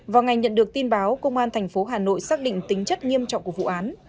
vào ngày nhận được tin báo công an thành phố hà nội xác định tính chất nghiêm trọng của vụ án